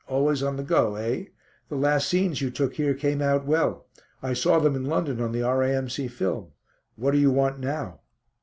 Always on the go, eh? The last scenes you took here came out well. I saw them in London on the R.A.M.C. film. What do you want now?"